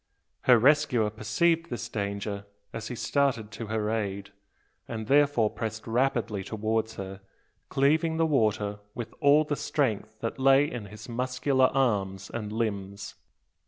Her rescuer perceived this danger as he started to her aid; and therefore pressed rapidly towards her, cleaving the water with all the strength that lay in his muscular arm and limbs.